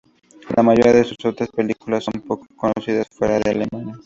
La mayoría de sus otras películas son poco conocidas fuera de Alemania.